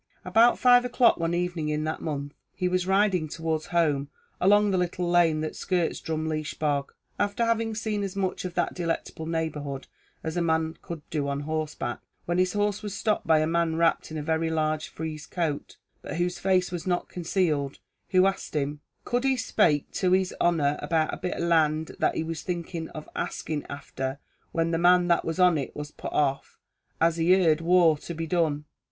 About five o'clock one evening in that month, he was riding towards home along the little lane that skirts Drumleesh bog, after having seen as much of that delectable neighbourhood as a man could do on horseback, when his horse was stopped by a man wrapped in a very large frieze coat, but whose face was not concealed, who asked him, "could he spake to his honer about a bit of land that he was thinking of axing afther, when the man that was on it was put off, as he heard war to be done."